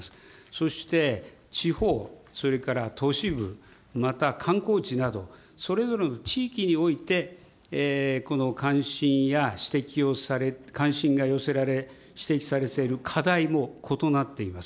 そして、地方、それから都市部、また観光地など、それぞれの地域において、この関心や指摘を、関心が寄せられ、指摘されている課題も異なっています。